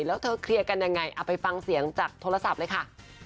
แล้วเธอเคลียร์กันยังไงเอาไปฟังเสียงจากโทรศัพท์เลยค่ะ